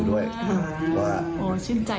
อร่อยดีอร่อยดีอร่อยดีอร่อยดี